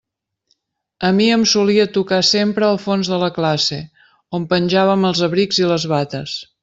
A mi em solia tocar sempre al fons de la classe, on penjàvem els abrics i les bates.